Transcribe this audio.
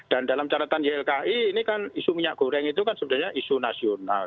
dan dalam catatan jlki ini kan isu minyak goreng itu kan sebenarnya isu nasional